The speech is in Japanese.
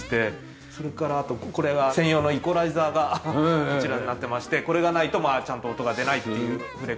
それからあとこれが専用のイコライザーがこちらになってましてこれがないとちゃんと音が出ないっていう触れ込みでした。